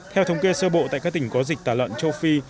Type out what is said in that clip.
theo thống kê sơ bộ tại các tỉnh có dịch tả lợn châu phi